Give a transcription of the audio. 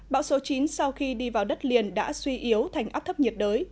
bão số chín sau khi đi vào đất liền đã suy yếu thành áp thấp nhiệt đới